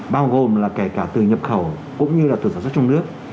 bao gồm là kể cả từ nhập khẩu cũng như là từ sản xuất trong nước